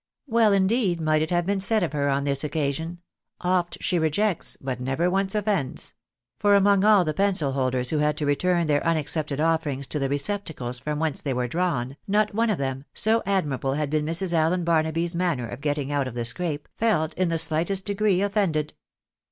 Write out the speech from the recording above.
Well, indeed, might it have been said of her on this occasion —•" Oft she rejects, but never once LfFends "— for among all the pencil holders who had to return their unac cepted offerings to the receptacles from whence they were drawn, not one of them, so admirable had been Mrs. Allen I5arnaby's manner of getting out of the scrape, felt in the slightest degree offended.